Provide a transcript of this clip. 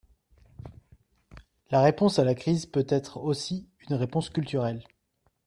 La réponse à la crise peut être aussi une réponse culturelle.